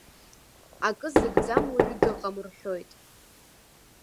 Акы зыгӡам уаҩы дыҟам, рҳәоит.